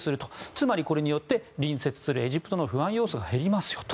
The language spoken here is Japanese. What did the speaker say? つまりこれによって隣接するエジプトの不安要素が減りますよと。